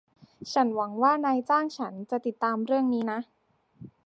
ฉันหวงัว่านายจ้างฉันจะติดตามเรื่องนี้นะ